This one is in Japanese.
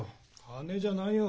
金じゃないよ。